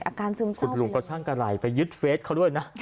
อาการซึมคุณลุงก็ช่างกะไหล่ไปยึดเฟสเขาด้วยนะ